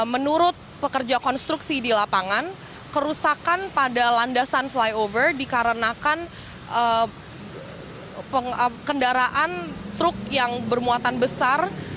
menurut pekerja konstruksi di lapangan kerusakan pada landasan flyover dikarenakan kendaraan truk yang bermuatan besar